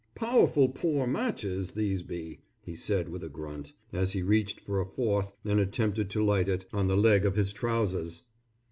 "Powerful pore matches, these be," he said with a grunt, as he reached for a fourth and attempted to light it on the leg of his trousers.